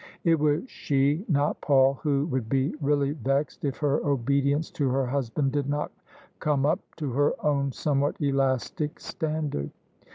It was she, not Paul, who would be really vexed if her obedience to her husband did not come up to her own somewhat elastic standard.